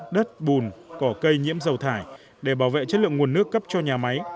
đất bùn cỏ cây nhiễm dầu thải để bảo vệ chất lượng nguồn nước cấp cho nhà máy